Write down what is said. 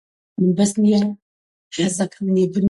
لە نوێژی جومعەوە هاتوونە شیووعی فێر بوون؟